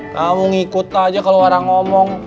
kamu ikut saja kalau orang ngomong